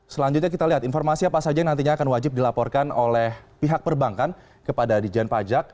selanjutnya kita lihat informasi apa saja yang nantinya akan wajib dilaporkan oleh pihak perbankan kepada dijen pajak